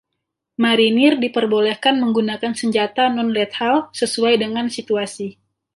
Marinir diperbolehkan menggunakan senjata non-lethal sesuai dengan situasi.